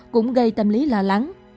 cũng gây tâm lý lo lắng